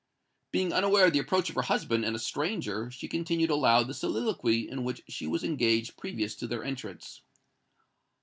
Being unaware of the approach of her husband and a stranger, she continued aloud the soliloquy in which she was engaged previous to their entrance.